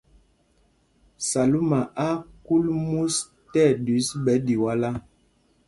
Salúma á á kūl mûs tí ɛɗüis ɓɛ̌ Ɗiwálá.